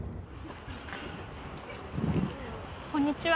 こんにちは。